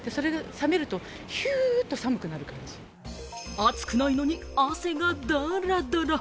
暑くないのに汗がダラダラ。